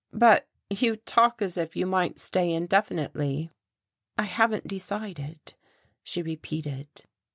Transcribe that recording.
"But you talk as if you might stay indefinitely." "I haven't decided," she repeated.